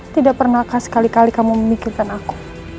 tidak pernahkah sekali kali kamu memikirkan aku